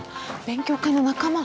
勉強会の仲間。